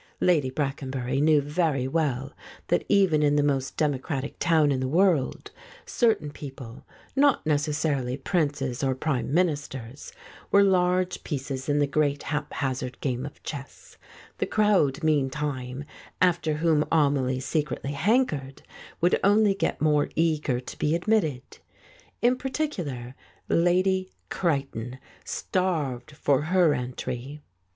Lady Brackenbury knew very well that even in the most democratic town in the world certain people, not necessarily Princes or Prime Ministers, were large pieces in the great haphazard game of chess; the crowd meantime, after whom Amelie secretly hankered, would only get more eager to be admitted. In particular, Lady Creighton starved for her entry.